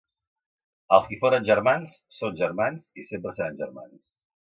Els qui foren germans, són germans, i sempre seran germans.